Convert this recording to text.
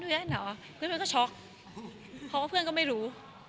เล่นเหรอเพื่อนก็ช็อกเพราะว่าเพื่อนก็ไม่รู้